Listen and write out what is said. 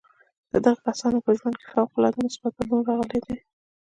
د دغو کسانو په ژوند کې فوق العاده مثبت بدلون راغلی دی